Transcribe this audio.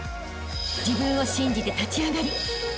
［自分を信じて立ち上がりあしたへ